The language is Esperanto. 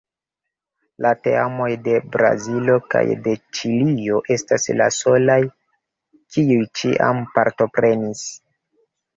La teamoj de Brazilo kaj de Ĉilio estas la solaj, kiuj ĉiam partoprenis.